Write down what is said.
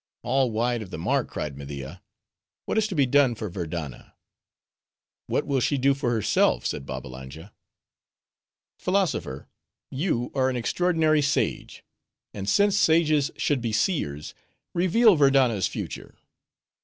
"All wide of the mark," cried Media. "What is to be done for Verdanna?" "What will she do for herself?" said Babbalanja. "Philosopher, you are an extraordinary sage; and since sages should be seers, reveal Verdanna's future."